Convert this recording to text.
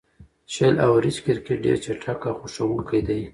شل اوریز کرکټ ډېر چټک او خوښوونکی دئ.